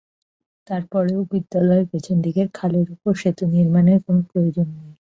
তারপরও বিদ্যালয়ের পেছন দিকের খালের ওপর সেতু নির্মাণের কোনো প্রয়োজন নেই।